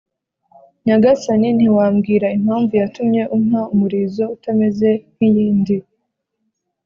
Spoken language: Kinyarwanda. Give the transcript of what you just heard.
Nyagasani, ntiwambwira impamvu yatumye umpa umurizo utameze nk’iyindi?